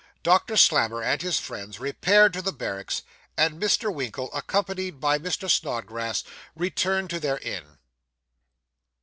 Doctor Slammer and his friends repaired to the barracks, and Mr. Winkle, accompanied by Mr. Snodgrass, returned to their inn.